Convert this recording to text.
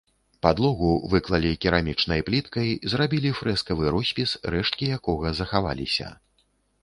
Падлогу выклалі керамічнай пліткай, зрабілі фрэскавы роспіс, рэшткі якога захаваліся.